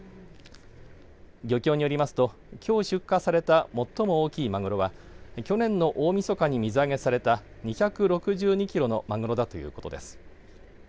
漁協によりますときょう出荷された最も大きいまぐろは去年の大みそかに水揚げされた２６２キロのまぐろだということです。